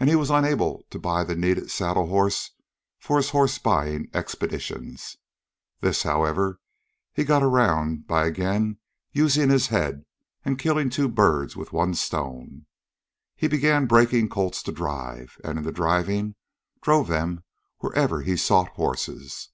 And he was unable to buy the needed saddle horse for his horse buying expeditions. This, however, he had got around by again using his head and killing two birds with one stone. He began breaking colts to drive, and in the driving drove them wherever he sought horses.